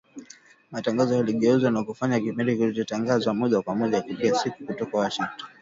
matangazo yaligeuzwa na kufanywa kipindi kilichotangazwa moja kwa moja kila siku kutoka Washington